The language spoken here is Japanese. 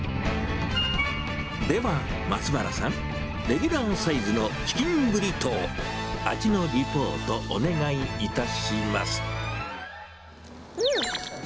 ではまつばらさん、レギュラーサイズのチキンブリトー、味のリポートお願いいたしまうん！